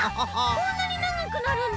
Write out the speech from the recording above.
こんなにながくなるんだ！